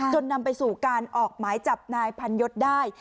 นำไปสู่การออกหมายจับนายพันยศได้